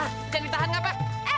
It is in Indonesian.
jangan ditahan gak apa